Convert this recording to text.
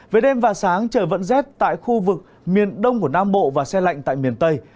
về đêm và sáng trời vẫn rét tại khu vực miền đông của nam bộ và xe lạnh tại miền tây